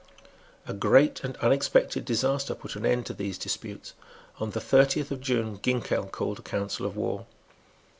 A great and unexpected disaster put an end to these disputes. On the thirtieth of June Ginkell called a council of war.